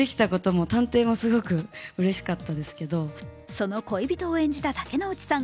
その恋人を演じた竹野内さん。